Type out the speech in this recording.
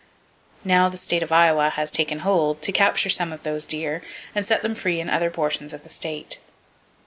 Now the State of Iowa has taken hold, to capture some of those deer, and set them free in other portions of the state.